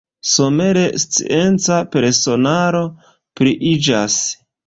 Somere scienca personaro pliiĝas.